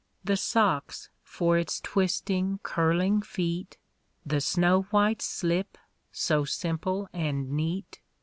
The socks for its twisting, curling feet. The snow white slip, so simple and neat.